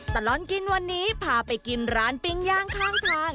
ตลอดกินวันนี้พาไปกินร้านปิ้งย่างข้างทาง